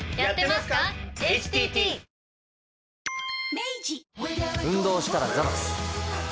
明治運動したらザバス。